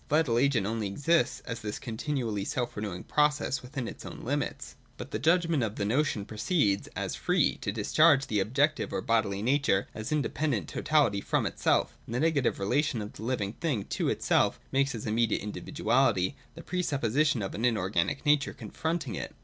A vital agent only exists as this continually self renewing process within its own limits. 219. J (2) But the judgment of the notion proceeds, as free, to discharge the objective or bodily nature as an independent totality from itself; and the negative rela tion of the hving thing to itself makes, as immediate individuahty, the pre supposition of an inorganic nature confronting it.